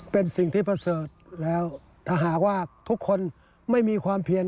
เป็นสิ่งที่ประเสริฐแล้วถ้าหากว่าทุกคนไม่มีความเพียร